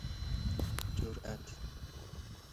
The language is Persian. جرئت